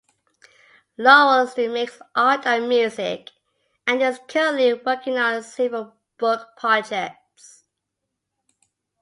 Laurel still makes art and music, and is currently working on several book projects.